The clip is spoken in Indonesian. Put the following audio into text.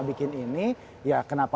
jadi ini bukan deh